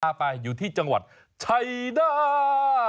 ไปอยู่ที่จังหวัดชัยนา